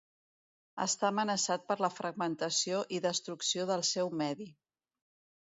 Està amenaçat per la fragmentació i destrucció del seu medi.